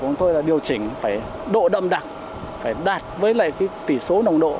chúng tôi là điều chỉnh phải độ đậm đặc phải đạt với tỷ số nồng độ